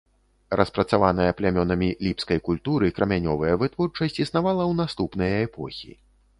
Распрацаваная плямёнамі ліпскай культуры крамянёвая вытворчасць існавала ў наступныя эпохі.